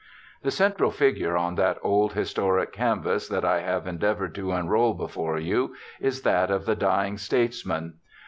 The central figure on that old historic canvas that I have endeavored to unroll before you, is that of the dying states man.